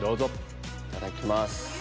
いただきます。